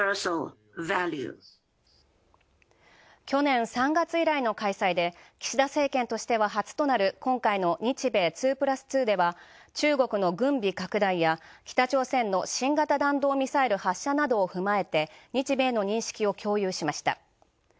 去年３月以来の開催で、岸田政権としては初となる今回の日米２プラス２では中国の軍備拡大や北朝鮮の新型弾道ミサイル発射などをふまえて日米の認識を共有しました。